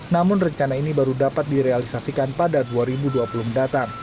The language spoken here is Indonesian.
namun rencana ini baru dapat direalisasikan pada dua ribu dua puluh mendatang